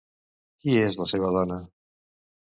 Qui és la seva dona?